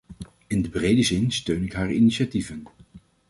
In de brede zin steun ik haar initiatieven.